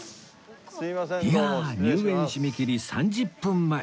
いや入園締め切り３０分前